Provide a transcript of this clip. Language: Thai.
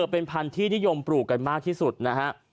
เป็นพันธุ์ที่นิยมปลูกกันมากที่สุดนะฮะ